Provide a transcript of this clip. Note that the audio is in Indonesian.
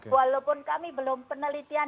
walaupun kami belum penelitian